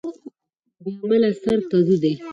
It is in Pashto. بې عمله سر کډو دى.